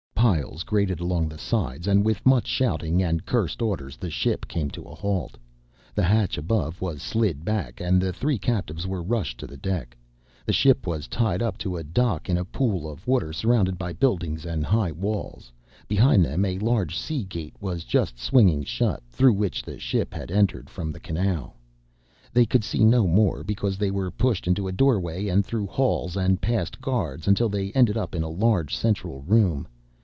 Piles grated along the sides and with much shouting and cursed orders the ship came to a halt. The hatch above was slid back and the three captives were rushed to the deck. The ship was tied up to a dock in a pool of water surrounded by buildings and high walls. Behind them a large sea gate was just swinging shut, through which the ship had entered from the canal. They could see no more because they were pushed into a doorway and through halls and past guards until they ended up in a large central room.